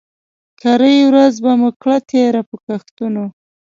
کرۍ ورځ به مو کړه تېره په ګښتونو